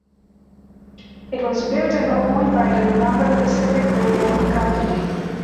It was built and owned by the Northern Pacific Railway Company.